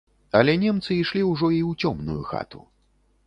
Але немцы ішлі ўжо і ў цёмную хату.